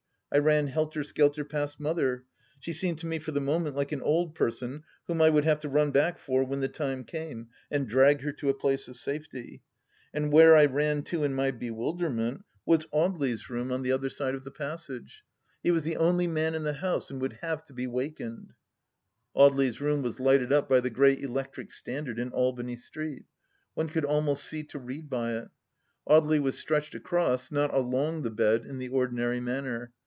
I ran helter skelter past Mother. She seemed to me for the moment like an old person whom I would have to nm back for when the time came, and drag her to a place of safety. And where I ran to in my bewilderment was Audely's room 136 THE LAST DITCH on the other side of the passage. He was the only man in the house, and would have to be wakened I ... Audely's room was lighted up by the great electric stand ard in Albany Street. One could almost see to read by it. Audely was stretched across, not along the bed in the or dinary manner.